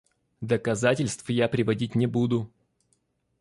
Доказательств я приводить не буду.